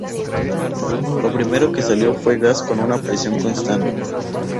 Lo primero que salió fue gas con una presión constante.